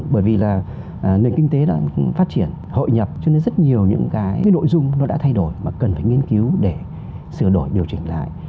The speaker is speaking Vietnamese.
bởi vì là nền kinh tế đã phát triển hội nhập cho nên rất nhiều những cái nội dung nó đã thay đổi mà cần phải nghiên cứu để sửa đổi điều chỉnh lại